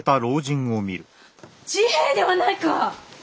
治平ではないか！